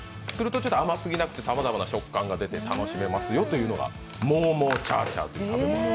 すると、ちょっと甘すぎなくて様々な食感が出て楽しめますよというのがモーモーチャーチャーという食べ物。